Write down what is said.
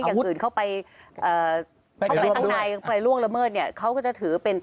ต้องเอาไปล่วงละเมิดเขาก็จะถือเป็น